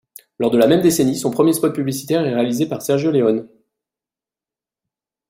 Lors de la même décennie, son premier spot publicitaire est réalisé par Sergio Leone.